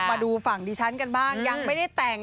มาดูฝั่งดิฉันกันบ้างยังไม่ได้แต่ง